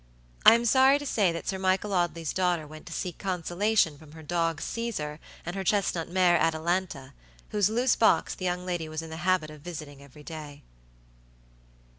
I am sorry to say that Sir Michael Audley's daughter went to seek consolation from her dog Caesar and her chestnut mare Atalanta, whose loose box the young lady was in the habit of visiting every day.